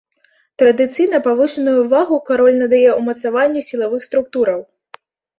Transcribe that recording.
Традыцыйна павышаную ўвагу кароль надае ўмацаванню сілавых структураў.